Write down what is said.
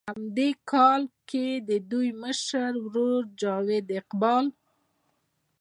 هم دې کال کښې د دوي مشر ورور جاويد اقبال